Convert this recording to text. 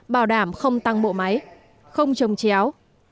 bảo đảm không tăng bộ máy không trồng chéo